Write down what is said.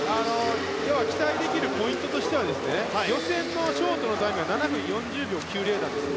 要は、期待できるポイントとしてはですね予選のショートのタイムは７分４０秒９０なんですよ。